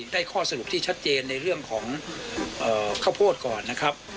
ข้อสรุปที่ชัดเจนในเรื่องของข้าวโพดก่อนนะครับ